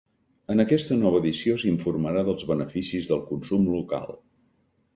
En aquesta nova edició s’informarà dels beneficis del consum local.